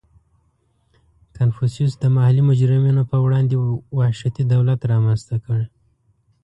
• کنفوسیوس د محلي مجرمینو په وړاندې وحشتي دولت رامنځته کړ.